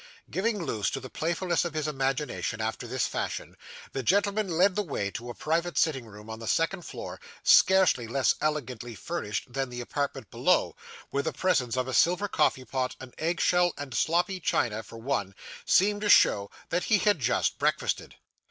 Giving loose to the playfulness of his imagination, after this fashion, the gentleman led the way to a private sitting room on the second floor, scarcely less elegantly furnished than the apartment below, where the presence of a silver coffee pot, an egg shell, and sloppy china for one, seemed to show that he had just breakfasted.